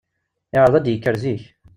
Iɛṛeḍ ad d-yekker zik.